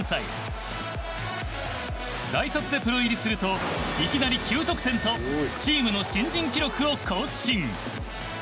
大卒でプロ入りするといきなり９得点とチームの新人記録を更新。